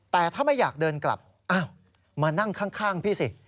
แต่ถ้าไม่อยากเดินกลับอ้าวมานั่งข้างพี่สิ